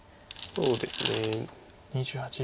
そうですね。